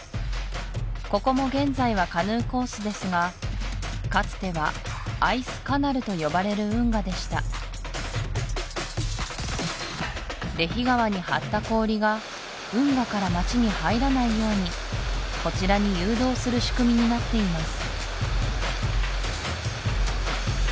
ここも現在はカヌーコースですがかつては「アイスカナル」と呼ばれる運河でしたレヒ川に張った氷が運河から街に入らないようにこちらに誘導する仕組みになっています